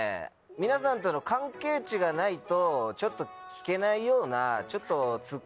皆さんとの関係値がないとちょっと聞けないような。